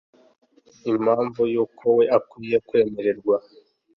impamvu yuko we akwiye kwemererwa